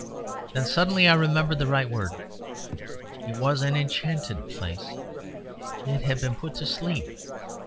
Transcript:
Then suddenly I remembered the right word. It was an enchanted place. It had been put to sleep.